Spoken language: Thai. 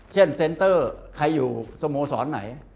เช่นเซ็นเตอร์ใครอยู่สโมสรไหน